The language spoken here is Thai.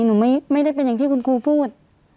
หนูไม่ได้เป็นอย่างที่คุณครูพูด